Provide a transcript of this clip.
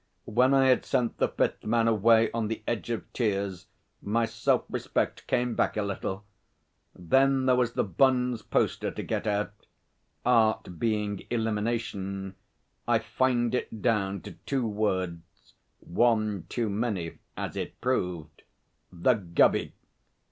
When I had sent the fifth man away on the edge of tears, my self respect came back a little. Then there was The Bun's poster to get out. Art being elimination, I fined it down to two words (one too many, as it proved) 'The Gubby!'